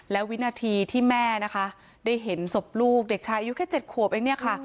แล้ววินาทีที่แม่นะคะได้เห็นศพลูกเด็กชายอายุแค่๗ขวบเองเนี่ยค่ะ